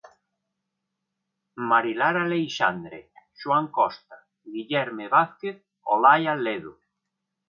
Marilar Aleixandre, Xoán Costa, Guillerme Vázquez, Olaia Ledo.